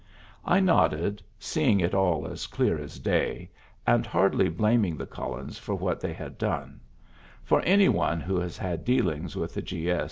I nodded, seeing it all as clear as day, and hardly blaming the Cullens for what they had done; for any one who has had dealings with the G. S.